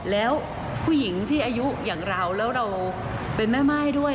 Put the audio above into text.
แล้วผู้หญิงที่อายุอย่างเราแล้วเราเป็นแม่ม่ายด้วย